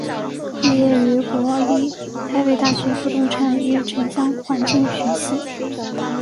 毕业于国立台北大学不动产与城乡环境学系。